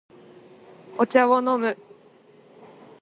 お茶を飲む